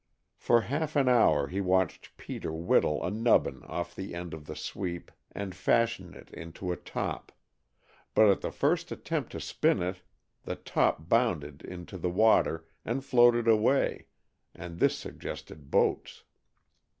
For half an hour he watched Peter whittle a nubbin off the end of the sweep and fashion it into a top, but at the first attempt to spin it the top bounded into the water, and floated away, and this suggested boats.